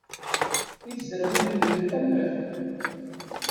I tezrawin-nnek, amek?